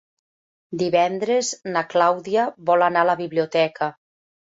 Divendres na Clàudia vol anar a la biblioteca.